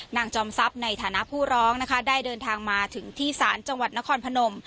จอมทรัพย์ในฐานะผู้ร้องนะคะได้เดินทางมาถึงที่ศาลจังหวัดนครพนม